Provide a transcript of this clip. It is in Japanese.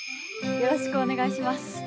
よろしくお願いします。